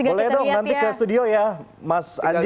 boleh dong nanti ke studio ya mas anjing